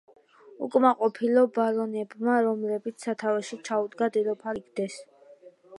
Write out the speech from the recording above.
უკმაყოფილო ბარონებმა, რომელთაც სათავეში ჩაუდგა დედოფალი იზაბელა, ტყვედ ჩაიგდეს.